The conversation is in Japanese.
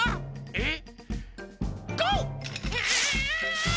えっ！